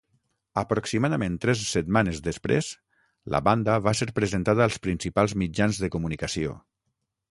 Aproximadament tres setmanes després, la banda va ser presentada als principals mitjans de comunicació.